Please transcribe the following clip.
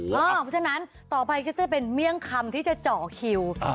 เพราะฉะนั้นต่อไปก็จะเป็นเมี่ยงคำที่จะเจาะคิว